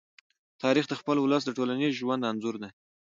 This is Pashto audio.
تاریخ د خپل ولس د ټولنیز ژوند انځور دی.